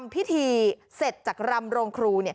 พิธีเสร็จจากรำโรงครู